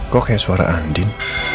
kok kayak suara andin